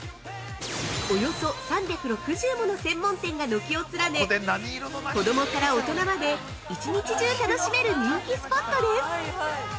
およそ３６０もの専門店が軒を連ね子供から大人まで１日中楽しめる人気スポットです。